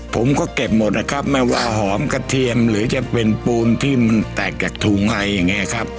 ผมก็เก็บหมดนะครับไม่ว่าหอมกระเทียมหรือจะเป็นปูนที่มันแตกจากถุงอะไรอย่างนี้ครับ